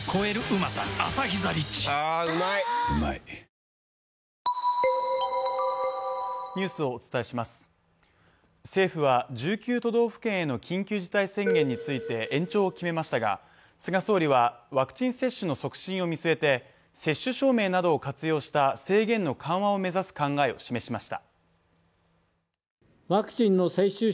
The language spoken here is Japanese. モニタリングに政府は１９都道府県への緊急事態宣言について延長を決めましたが菅総理はワクチン接種の促進を見据えて、接種証明などを活用した制限の緩和を目指す考えを示しました。